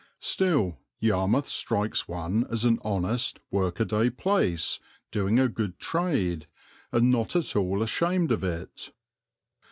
Still Yarmouth strikes one as an honest, workaday place doing a good trade, and not at all ashamed of it.